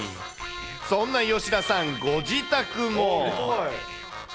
そんな吉田さん、ご自宅も。